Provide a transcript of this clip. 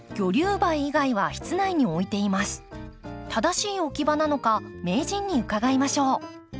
正しい置き場なのか名人に伺いましょう。